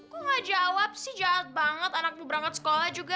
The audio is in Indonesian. kok enggak jawab sih jalat banget anakmu berangkat sekolah juga